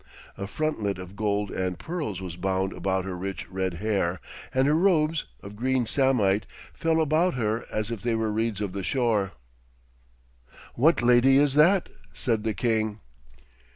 A frontlet of gold and pearls was bound about her rich red hair, and her robes, of green samite, fell about her as if they were reeds of the shore. 'What lady is that?' said the king.